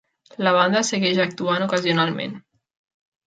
La banda segueix actuant ocasionalment.